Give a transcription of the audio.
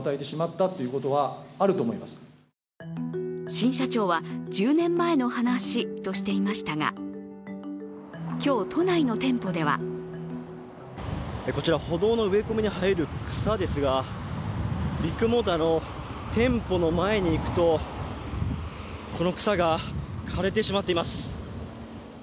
新社長は１０年前の話としていましたが今日、都内の店舗ではこちら歩道の植え込みに生える草ですがビッグモーターの店舗の前に行くとこの草が枯れてしまっています。